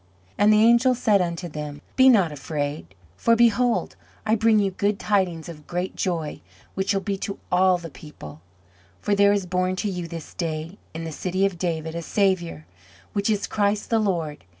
And the angel said unto them, Be not afraid; for, behold, I bring you good tidings of great joy which shall be to all the people: for there is born to you this day in the city of David a Saviour, which is Christ the Lord.